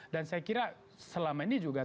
dan saya kira selama ini juga